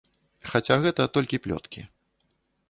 Хаця гэта толькі плёткі.